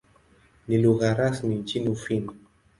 Ni lugha rasmi nchini Ufini.